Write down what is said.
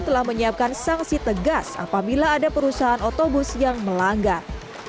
telah menyiapkan sanksi tegas apabila ada perusahaan otobus yang melanggar